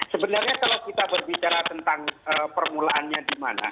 sebenarnya kalau kita berbicara tentang permulaannya di mana